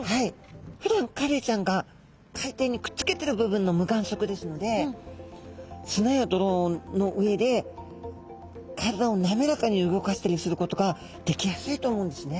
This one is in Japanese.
ふだんカレイちゃんが海底にくっつけてる部分の無眼側ですので砂や泥の上で体を滑らかに動かしたりすることができやすいと思うんですね。